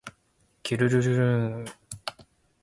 きゅるるるるるるるるんんんんんん